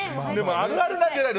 あるあるなんじゃないの？